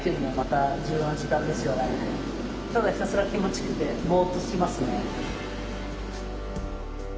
ただひたすら気持ちよくてボーッとしてますね。